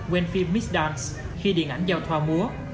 when film missed dance khi điện ảnh giao thoa múa